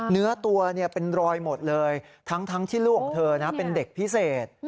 เนื้อตัวเป็นรอยหมดเลยทั้งที่ลูกของเธอเป็นเด็กพิเศษ